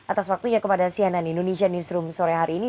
atas waktunya kepada cnn indonesia newsroom sore hari ini